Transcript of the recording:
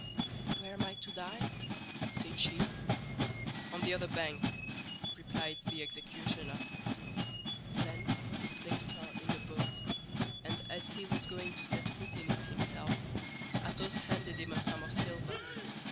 "Where am I to die?" said she. "On the other bank," replied the executioner. Then he placed her in the boat, and as he was going to set foot in it himself, Athos handed him a sum of silver.